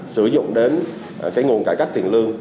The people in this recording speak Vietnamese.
sử dụng đến cái nguồn cải cách tiền lương